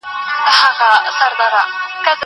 هغه وويل چي ليکنې ضروري دي!!